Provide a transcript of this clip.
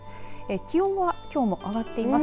気温はきょうも上がっています。